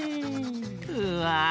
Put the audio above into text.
うわ！